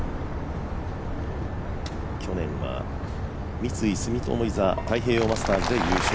三井住友ＶＩＳＡ太平洋マスターズで優勝。